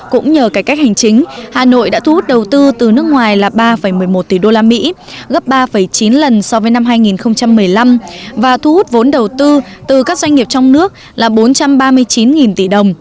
cũng nhờ cải cách hành chính hà nội đã thu hút đầu tư từ nước ngoài là ba một mươi một tỷ usd gấp ba chín lần so với năm hai nghìn một mươi năm và thu hút vốn đầu tư từ các doanh nghiệp trong nước là bốn trăm ba mươi chín tỷ đồng